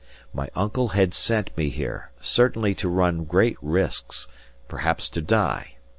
My uncle had sent me here, certainly to run great risks, perhaps to die.